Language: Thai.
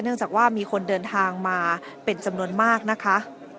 จากว่ามีคนเดินทางมาเป็นจำนวนมากนะคะ